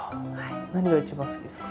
何が一番好きですか？